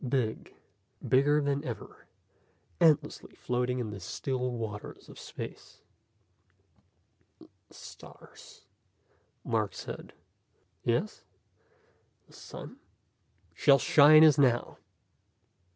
Big, bigger than ever, endlessly floating in the still waters of space. "The stars ..." Mark said. "Yes?" "The sun?" " shall shine as now."